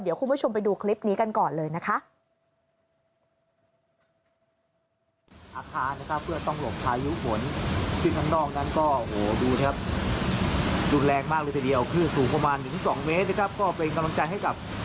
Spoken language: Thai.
เดี๋ยวคุณผู้ชมไปดูคลิปนี้กันก่อนเลยนะคะ